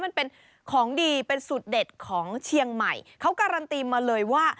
มันเป็นของดีเป็นสูตรเด็ดของเชียงใหม่เขาการันตีมาเลยว่า